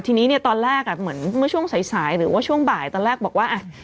ทีนี้เนี่ยตอนแรกอ่ะเหมือนเมื่อช่วงสายสายหรือว่าช่วงบ่ายตอนแรกบอกว่าอ่ะ